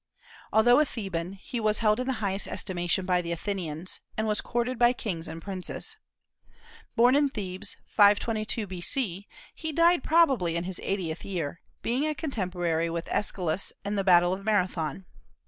Although a Theban, he was held in the highest estimation by the Athenians, and was courted by kings and princes. Born in Thebes 522 B.C., he died probably in his eightieth year, being contemporary with Aeschylus and the battle of Marathon.